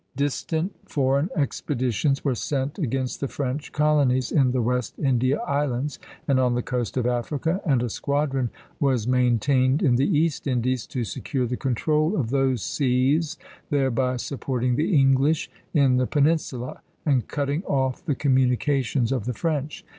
Distant foreign expeditions were sent against the French colonies in the West India Islands and on the coast of Africa, and a squadron was maintained in the East Indies to secure the control of those seas, thereby supporting the English in the Peninsula, and cutting off the communications of the French.